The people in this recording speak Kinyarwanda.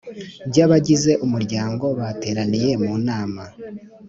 by’abagize Umuryango bateraniye mu nama